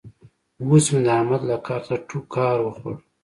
اوس مې د احمد له کار څخه ټوکار وخوړ.